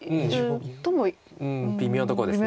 うん微妙なとこです。